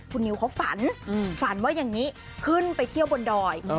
คุณนิวเขาฝันฝันว่าอย่างนี้ขึ้นไปเที่ยวบนดอย